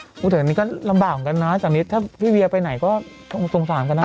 ใช่ค่ะแต่อันนี้ก็ลำบากเหมือนกันนะจากนี้ถ้าพี่เวียไปไหนก็สงสารกันนะ